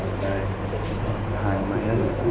โรคหลวงที่พ่อทิมมาถึงกับผมก่อน